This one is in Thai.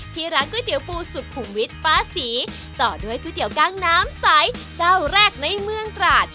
ที่ร้านก๋วยเตี๋ยวปูสุขุมวิทย์ป้าศรีต่อด้วยก๋วยเตี๋ยวกล้างน้ำใสเจ้าแรกในเมืองตราด